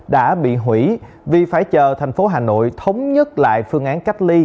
đã bị hủy vì phải chờ tp hcm thống nhất lại phương án cách ly